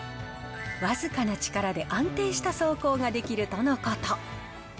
僅かな力で安定した走行ができるとのこと。